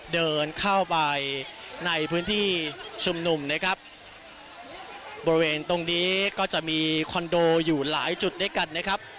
เดินเข้าไปในพื้นที่ชุมนุมนะครับบริเวณตรงนี้ก็จะมีคอนโดอยู่หลายจุดด้วยกันนะครับ